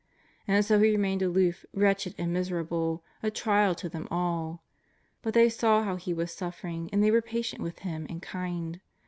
And so he remained aloof, wretched and miserable, a trial to them all. But they saw how he was suffering, and they were patient with him and kind.